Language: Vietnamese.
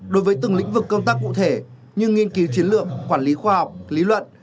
đối với từng lĩnh vực công tác cụ thể như nghiên cứu chiến lược quản lý khoa học lý luận